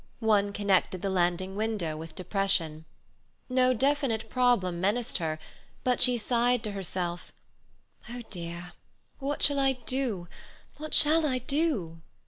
One connected the landing window with depression. No definite problem menaced her, but she sighed to herself, "Oh, dear, what shall I do, what shall I do?"